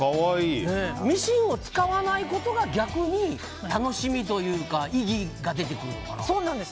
ミシンを使わないことが逆に、楽しみというか意義が出てくるのかな。